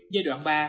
giai đoạn ba